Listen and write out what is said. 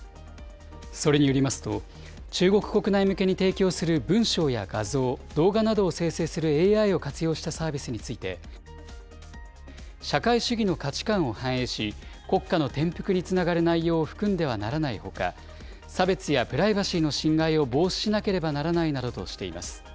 それによりますと、中国国内向けに提供する文章や画像、動画などを生成するＡＩを活用したサービスについて、社会主義の価値観を反映し、国家の転覆につながる内容を含んではならないほか、差別やプライバシーの侵害を防止しなければならないなどとしています。